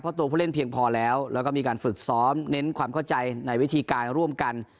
เพราะตัวผู้เล่นเพียงพอแล้วแล้วก็มีการฝึกซ้อมเน้นความเข้าใจในวิธีการร่วมกัน